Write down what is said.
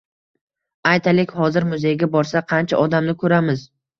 Aytaylik, hozir muzeyga borsak, qancha odamni ko‘ramiz?